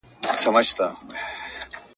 نه یې ږغ سوای تر شپانه ور رسولای ..